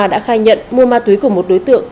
đã khai nhận mua ma túy của một đối tượng